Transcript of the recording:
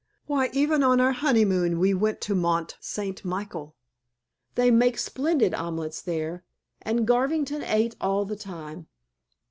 Why, even for our honeymoon we went to Mont St. Michel. They make splendid omelettes there, and Garvington ate all the time.